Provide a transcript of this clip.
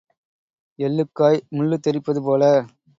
எள்ளுக்காய் முள்ளுத் தெறிப்பது போல.